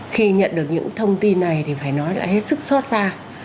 khi nhận được những thông tin này thì phải nói là hết sức xót xa